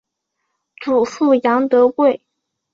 祖父杨德贵。